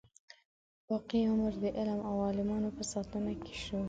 باقي عمر د علم او عالمانو په ساتنه کې شو.